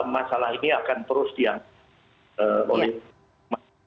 masalah ini akan terus diangkat oleh masyarakat